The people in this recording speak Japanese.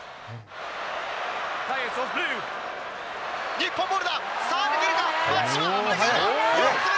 日本ボールだ、さあ、抜けるか、松島、松島。